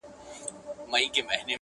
سم په لاره کی اغزی د ستوني ستن سي؛